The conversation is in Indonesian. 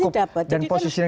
substansi dapat jadi kan